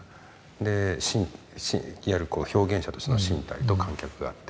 で表現者としての身体と観客があって。